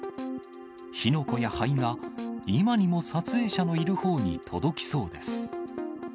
火の粉や灰が今にも撮影者のいるほうに届きそうです。